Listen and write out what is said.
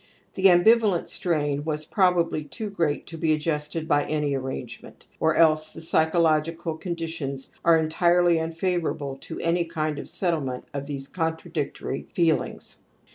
The ambivalent strain was probably too great to be adjusted by any arrangement, or else the psychological condi tions are entirely unfavourable to any kind of settlement of these contradictory feelingg.